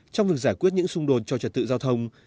trong việc giải quyết những xung đột cho trật tự giao thông